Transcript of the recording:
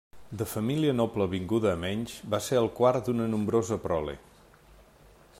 De família noble vinguda a menys, va ser el quart d'una nombrosa prole.